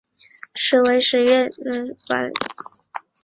时为十月癸酉朔十八日庚寅。